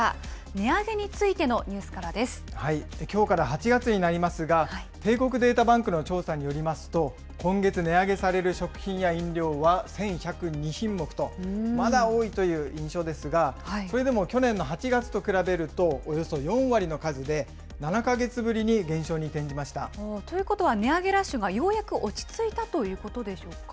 値上げについきょうから８月になりますが、帝国データバンクの調査によりますと、今月値上げされる食品や飲料は１１０２品目と、まだ多いという印象ですが、それでも去年の８月と比べると、およそ４割の数で、ということは、値上げラッシュがようやく落ち着いたということでしょうか。